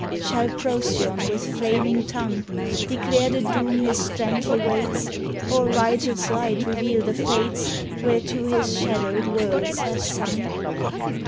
Shall Procyon with flaming tongue Declare the doom his strength awaits, Or Rigel's light reveal the Fates Whereto his shadowed worlds have sung?